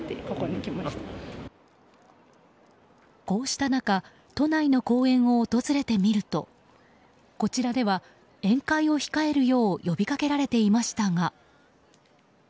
こうした中都内の公園を訪れてみるとこちらでは宴会を控えるよう呼びかけられていましたが。